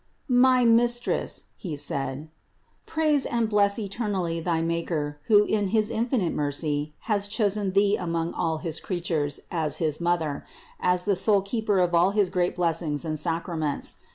"My Mistress," he said, "praise and bless eternally thy Maker, who in his infinite mercy has chosen Thee among all his creatures as his Mother, as the sole Keeper of all his great blessings and sacraments.